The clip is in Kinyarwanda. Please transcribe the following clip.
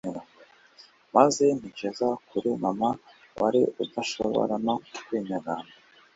maze ntekereza kuri mama wari udashobora no kwinyagambura